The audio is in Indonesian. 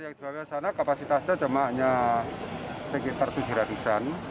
kepasitasnya cuma sekitar tujuh ratus an